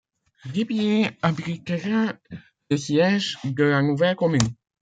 Ribiers abritera le siège de la nouvelle commune.